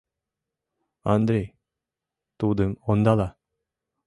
Андрий тудым ондала!